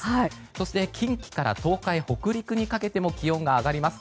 そして、近畿から東海・北陸にかけても気温が上がります。